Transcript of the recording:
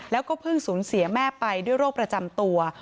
แล้วก็เพิ่งสูญเสียแม่ไปด้วยโรคประจำตัว